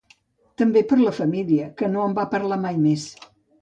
També per a la família, que no en va parlar mai més.